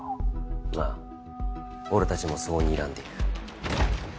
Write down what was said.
ああ俺たちもそうにらんでいる。